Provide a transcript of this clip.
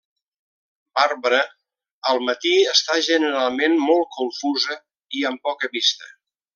Barbara, al matí, està generalment molt confusa i amb poca vista.